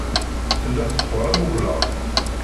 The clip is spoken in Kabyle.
Tella teqqur am ublaḍ.